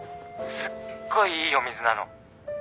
すっごいいいお水なの。